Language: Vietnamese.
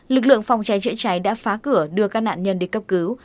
lực lượng phòng cháy chữa cháy đã phá cửa đưa các nạn nhân đi cấp cứu